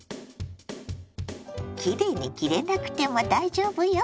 きれいに切れなくても大丈夫よ！